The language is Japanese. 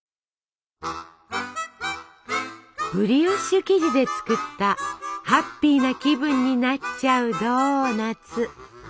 ブリオッシュ生地で作ったハッピーな気分になっちゃうドーナツ。